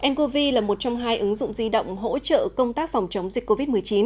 ncov là một trong hai ứng dụng di động hỗ trợ công tác phòng chống dịch covid một mươi chín